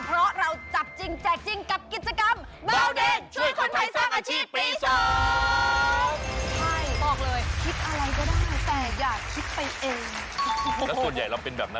แล้วส่วนใหญ่เราเป็นแบบนั้นนะ